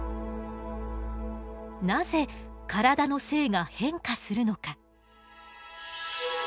なぜ体の性が変化するのか？